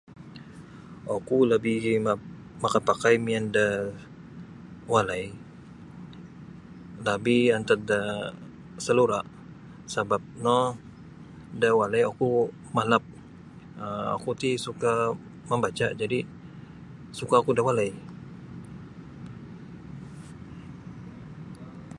Oku lebih map makapakai miyan da walai labih antad da salura sabap no da walai oku malap um oku ti suka mambaca jadi suka oku da walai.